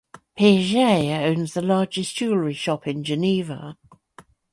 Piaget owns the largest jewellery workshop in Geneva.